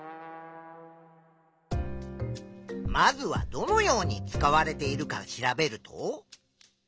まずはどのように使われているか調べると？